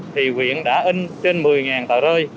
thì huyện đã in trên một mươi tờ rơi